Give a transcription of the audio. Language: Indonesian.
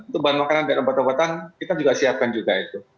itu bahan makanan dan obat obatan kita juga siapkan juga itu